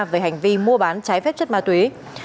về hành vi mua bán trái phép chất ma túy